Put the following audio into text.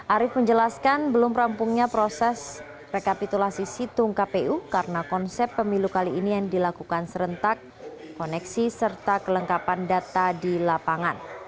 arief menjelaskan belum rampungnya proses rekapitulasi situng kpu karena konsep pemilu kali ini yang dilakukan serentak koneksi serta kelengkapan data di lapangan